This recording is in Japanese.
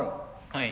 はい。